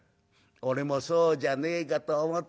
「俺もそうじゃねえかと思ったの。